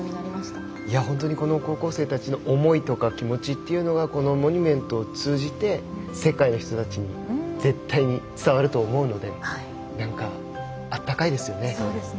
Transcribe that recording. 本当に高校生たちの思いとか気持ちがこのモニュメントを通じて世界の人たちに絶対に伝わると思うのでなんかあったかいですよね。